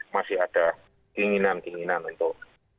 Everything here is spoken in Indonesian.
masih ada keinginan keinginan untuk